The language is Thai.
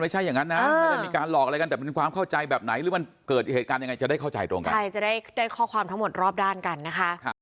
จะได้เข้าใจตรงกันใช่จะได้ได้ข้อความทั้งหมดรอบด้านกันนะคะ